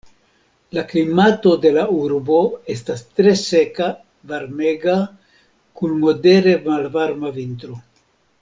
La klimato de la urbo estas tre seka, varmega, kun modere malvarma vintro.